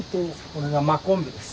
これが「真昆布」です。